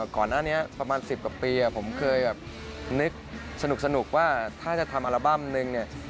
ก่อนอันนี้ประมาณสิบกว่าปีผมเคยนึกสนุกว่าถ้าจะทำอัลบั้มนึง